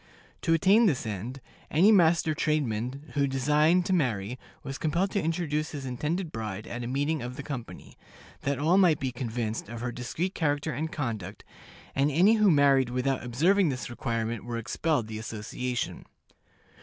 To attain this end, any master tradesman who designed to marry was compelled to introduce his intended bride at a meeting of the company, that all might be convinced of her discreet character and conduct, and any who married without observing this requirement were expelled the association.